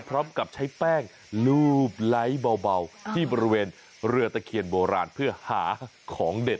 พร้อมกับใช้แป้งรูปไลท์เบาที่บริเวณเรือตะเคียนโบราณเพื่อหาของเด็ด